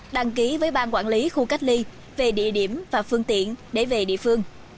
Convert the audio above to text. đăng ký với bang quản lý khu cách ly về địa điểm và phương tiện để về địa phương